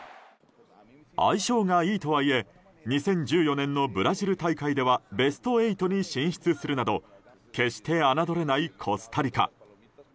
相性がいいとはいえ２０１４年のブラジル大会ではベスト８に進出するなど決して侮れないコスタリカ。